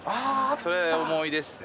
それ、思い出ですね。